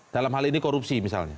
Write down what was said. dalam hal ini korupsi misalnya